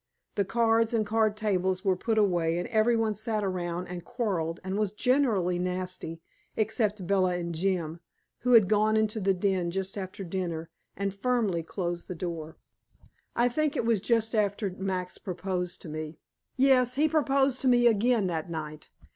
The cards and card tables were put away and every one sat around and quarreled and was generally nasty, except Bella and Jim, who had gone into the den just after dinner and firmly closed the door. I think it was just after Max proposed to me. Yes, he proposed to me again that night.